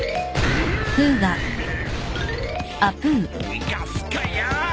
逃がすかよ。